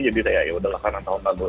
jadi yaudah lah karena tahun baru